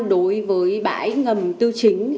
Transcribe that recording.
đối với bãi ngầm tư chính